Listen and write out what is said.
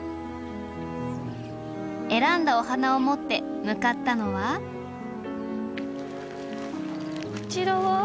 選んだお花を持って向かったのはこちらは？